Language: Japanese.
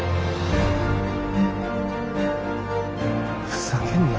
ふざけんな